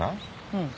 うん。